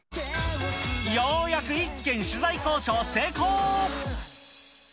ようやく１件取材交渉成功。